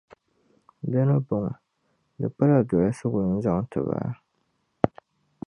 Di ni bɔŋɔ, di pala dolsigu n-zaŋ tiba.